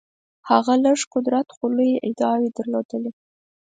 هغه لږ قدرت خو لویې ادعاوې درلودلې.